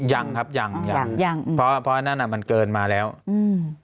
ยังครับยังยังยังเพราะเพราะอันนั้นอ่ะมันเกินมาแล้วอืม